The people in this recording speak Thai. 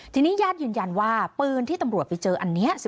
ทีนี้ญาติยืนยันว่าปืนที่ตำรวจไปเจออันนี้